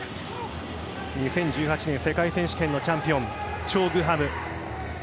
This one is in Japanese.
２０１８年世界選手権のチャンピオンチョ・グハム。